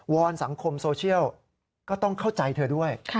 อนสังคมโซเชียลก็ต้องเข้าใจเธอด้วย